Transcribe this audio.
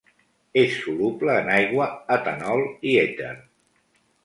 És soluble en aigua, etanol, i èter.